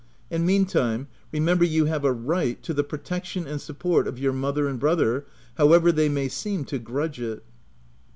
And meantime, remember you have a right to the protection and support of your mother and brother, however they may seem to grudge it."